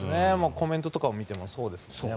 コメントとかを見てもそうですね。